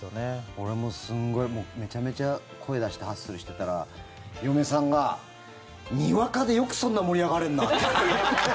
俺もすごいめちゃめちゃ声出してハッスルしてたら嫁さんがにわかでよくそんな盛り上がれるなって。